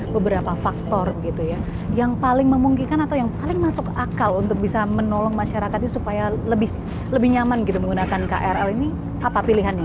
beberapa faktor gitu ya yang paling memungkinkan atau yang paling masuk akal untuk bisa menolong masyarakatnya supaya lebih nyaman gitu menggunakan krl ini apa pilihannya